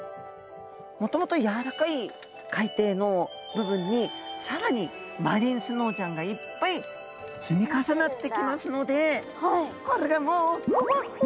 もともとやわらかい海底の部分に更にマリンスノーちゃんがいっぱい積み重なってきますのでこれがもうふわっふわなんですね。